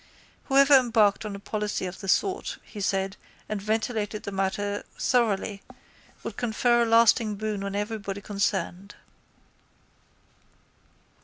Whoever embarked on a policy of the sort, he said, and ventilated the matter thoroughly would confer a lasting boon on everybody concerned.